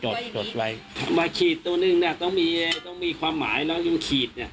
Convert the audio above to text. จดจดไว้มาขีดตัวนึงน่ะต้องมีต้องมีความหมายแล้วยังขีดน่ะ